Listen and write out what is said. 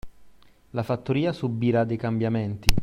La fattoria subirà dei cambiamenti